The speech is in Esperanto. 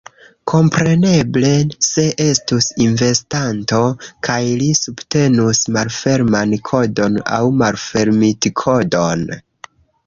Kompreneble, se estus investanto kaj li subtenus malferman kodon aŭ malfermitkodon